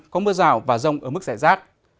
có mưa rào và rông ở mức rẻ rác